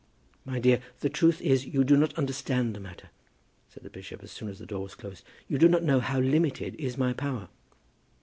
"My dear, the truth is, you do not understand the matter," said the bishop as soon as the door was closed. "You do not know how limited is my power."